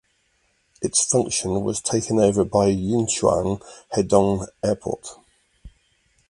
Its function was taken over by Yinchuan Hedong Airport.